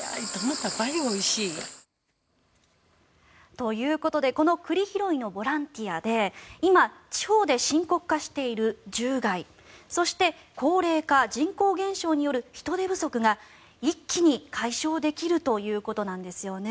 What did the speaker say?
ということでこの栗拾いのボランティアで今、地方で深刻化している獣害そして、高齢化人口減少による人手不足が一気に解消できるということなんですよね。